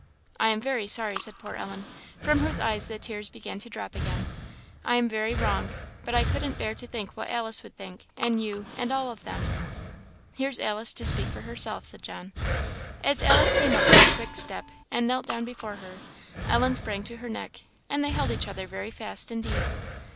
"I am very sorry," said poor Ellen, from whose eyes the tears began to drop again "I am very wrong: but I couldn't bear to think what Alice would think and you and all of them." "Here's Alice to speak for herself," said John. As Alice came up with a quick step and knelt down before her, Ellen sprang to her neck, and they held each other very fast indeed.